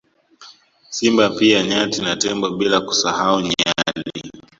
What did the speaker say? Simba pia nyati na tembo bila kusahau nyani